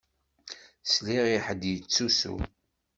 Sliɣ i ḥedd yettusu.